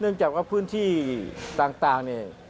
เนื่องจากว่าพื้นที่ต่างเนี่ย